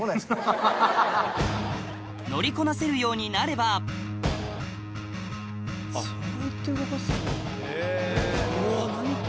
乗りこなせるようになればそうやって動かすんだ。